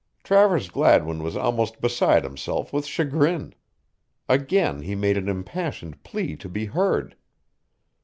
Travers Gladwin was almost beside himself with chagrin. Again he made an impassioned plea to be heard.